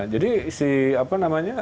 jadi si apa namanya